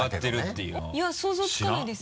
いや想像つかないです。